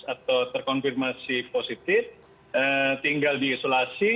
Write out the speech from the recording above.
atau terkonfirmasi positif tinggal di isolasi